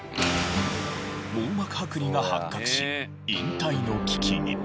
網膜剥離が発覚し引退の危機に。